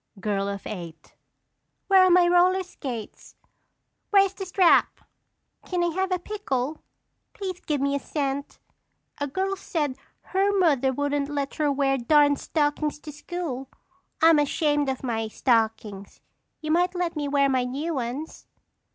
Girl of Eight. Where are my roller skates? Where is the strap? Can I have a pickle? Please give me a cent. A girl said her mother wouldn't let her wear darned stockings to school. I'm ashamed of my stockings. You might let me wear my new ones.